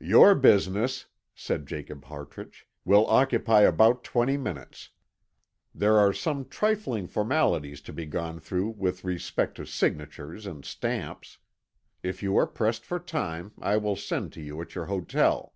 "Your business," said Jacob Hartrich, "will occupy about twenty minutes. There are some trifling formalities to be gone through with respect to signatures and stamps. If you are pressed for time I will send to you at your hotel."